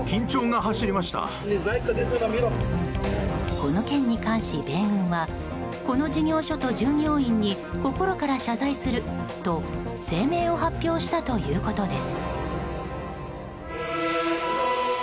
この件に関し米軍はこの事務所と従業員に心から謝罪すると声明を発表したということです。